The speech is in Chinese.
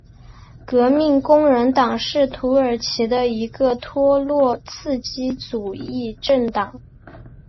革命工人党是土耳其的一个托洛茨基主义政党。